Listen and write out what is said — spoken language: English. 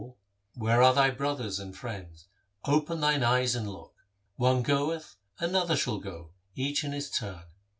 n8 THE SIKH RELIGION Where are thy brothers and friends ? Open thine eyes and look. One goeth, another shall go — each in his turn.